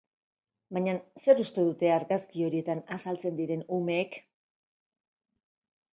Baina, zer uste dute argazki horietan azaltzen diren umeek?